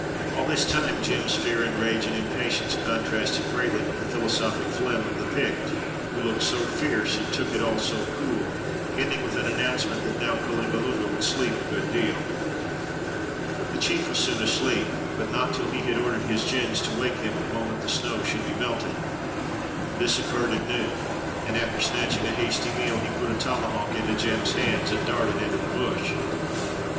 All this time Jem's fear and rage and impatience contrasted greatly with the philosophic phlegm of the Pict, who looked so fierce and took it all so cool, ending with an announcement that now Kalingalunga would sleep a good deal. The chief was soon asleep, but not till he had ordered his gins to wake him the moment the snow should be melted. This occurred at noon, and, after snatching a hasty meal, he put a tomahawk into Jem's hands and darted into the bush.